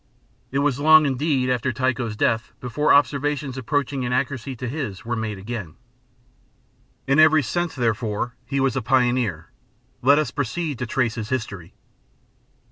It was long, indeed, after Tycho's death before observations approaching in accuracy to his were again made. In every sense, therefore, he was a pioneer: let us proceed to trace his history.